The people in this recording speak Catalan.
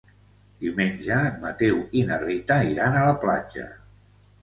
Diumenge en Mateu i na Rita iran a la platja.